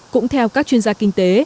cũng theo các chuyên gia kinh tế